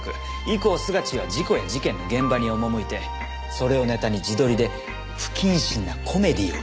以降スガチーは事故や事件の現場に赴いてそれをネタに自撮りで不謹慎なコメディーを連発。